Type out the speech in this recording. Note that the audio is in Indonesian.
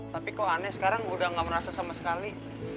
tapi kok aneh sekarang udah gak merasa sama sekali